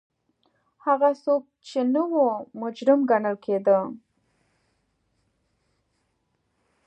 هغه څوک چې نه وو مجرم ګڼل کېده